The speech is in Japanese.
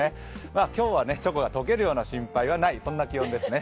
今日はチョコが溶けるような心配はない、そんな感じですね。